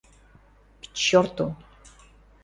– К черту!